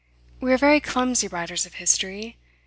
We are very clumsy writers of history.